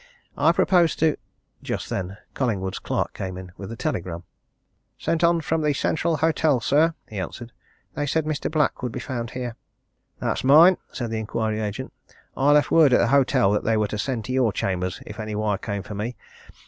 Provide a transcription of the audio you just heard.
I propose to " Just then Collingwood's clerk came in with a telegram. "Sent on from the Central Hotel, sir," he answered. "They said Mr. Black would be found here." "That's mine," said the inquiry agent. "I left word at the hotel that they were to send to your chambers if any wire came for me.